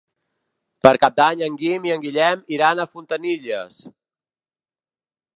Per Cap d'Any en Guim i en Guillem iran a Fontanilles.